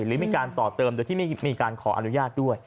หรือมีการต่อเติมโดยที่ไม่มีการขออนุญาตด้วย